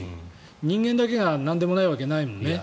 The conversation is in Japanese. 人間だけがなんでもないわけないもんね。